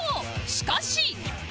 しかし